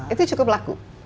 itu cukup laku